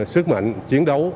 sức mạnh chiến đấu